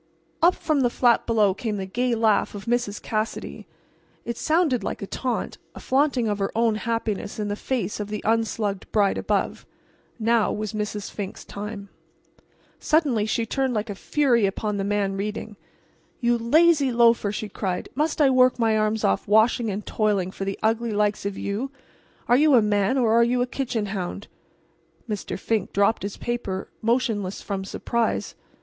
Up from the flat below came the gay laugh of Mrs. Cassidy. It sounded like a taunt, a flaunting of her own happiness in the face of the unslugged bride above. Now was Mrs. Fink's time. Suddenly she turned like a fury upon the man reading. "You lazy loafer!" she cried, "must I work my arms off washing and toiling for the ugly likes of you? Are you a man or are you a kitchen hound?" Mr. Fink dropped his paper, motionless from surprise.